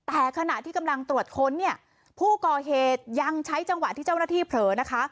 แต่ขณะที่กำลังตรวจค้นเนี่ยผู้ก่อเหตุยังใช้จังหวะที่เจ้าหน้าที่เผลอนะคะ